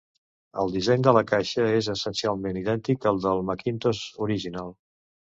El disseny de la caixa és essencialment idèntic al del Macintosh original.